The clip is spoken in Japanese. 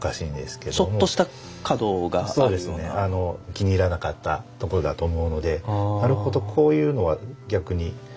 気に入らなかったところだと思うのでなるほどこういうのは逆に駄目だなと。